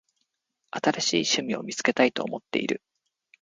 新しい趣味を見つけたいと思っている。